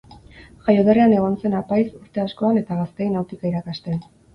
Jaioterrian egon zen apaiz, urte askoan, eta gazteei nautika irakasten.